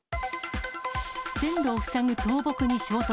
線路を塞ぐ倒木に衝突。